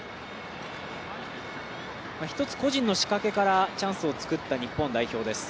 一つ個人の仕掛けからチャンスを作った日本代表です。